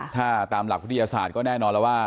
ถ้าตามหลักวิทยาศาสตร์ก็แน่นอนแล้วว่า